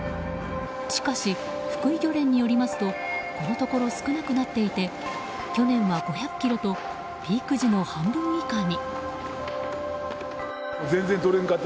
しかし、福井漁連によりますとこのところ少なくなっていて去年は５００ｋｇとピーク時の半分以下に。